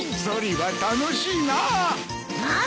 ソリは楽しいな。